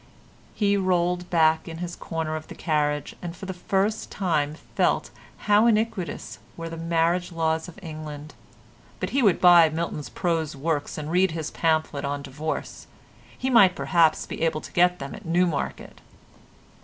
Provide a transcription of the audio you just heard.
He rolled back in his corner of the carriage and for the first time felt how iniquitous were the marriage laws of England. But he would buy Milton's prose works and read his pamphlet on divorce. He might perhaps be able to get them at Newmarket.